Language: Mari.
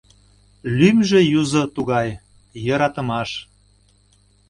Лӱмжӧ юзо тугай — Йӧратымаш.